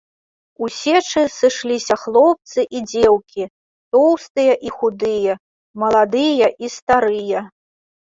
У сечы сышліся хлопцы і дзеўкі, тоўстыя і худыя, маладыя і старыя.